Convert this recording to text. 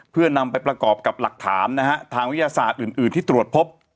เพื่อนำไปประกอบกับหลักฐานนะฮะทางวิทยาศาสตร์อื่นที่ตรวจพบ